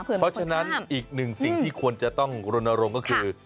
เพราะฉะนั้นอีกหนึ่งสิ่งที่ควรจะต้องรณรงค์ก็คือ